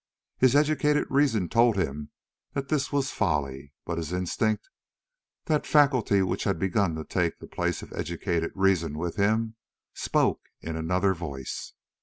His educated reason told him that this was folly, but his instinct—that faculty which had begun to take the place of educated reason with him—spoke in another voice.